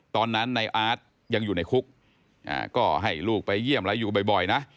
ตอนนั้นในอาร์ตยังอยู่ในคุกก็ให้ลูกไปเยี่ยมแล้วอยู่บ่อยนะ